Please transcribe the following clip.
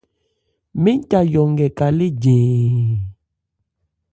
Mɛ́n ca yɔ nkɛ kalé ɉɛɛn.